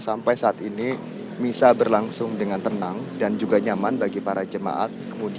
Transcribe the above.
sampai saat ini bisa berlangsung dengan tenang dan juga nyaman bagi para jemaat